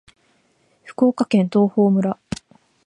福岡県東峰村